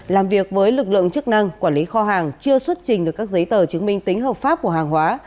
làm việc với lực lượng chức năng quản lý kho hàng chưa xuất trình được các giấy tờ chứng minh tính hợp pháp của hàng hóa